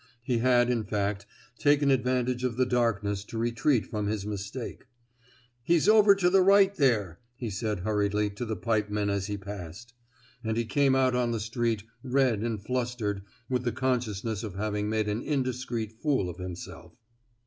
He had, in fact, taken advantage of the darkness to retreat from his mistake. He 's over to the right there," he said hurriedly to the pipemen as he passed; and he came out on the street red and flustered with the consciousness of having made an indiscreet fool of himself.